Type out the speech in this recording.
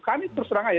kami terserang aja